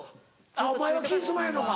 お前は気ぃ済まへんのか。